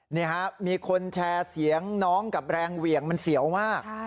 นี่ครับมีคนแชร์เสียงน้องกับแรงเหวี่ยงมันเสียวมาก